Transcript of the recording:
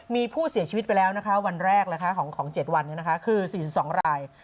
มีผู้เสียชีวิตไปแล้วนะคะวันแรกของ๗วันคือ๔๒ราย